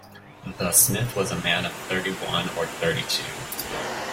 The smith was a man of thirty-one or thirty-two.